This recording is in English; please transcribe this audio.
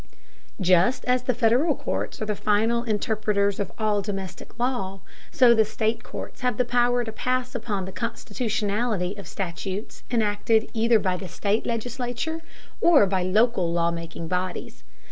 Just as the Federal courts are the final interpreters of all domestic law, so the state courts have the power to pass upon the constitutionality of statutes enacted either by the state legislature or by local law making bodies.